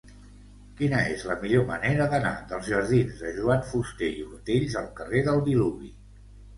Quina és la millor manera d'anar dels jardins de Joan Fuster i Ortells al carrer del Diluvi?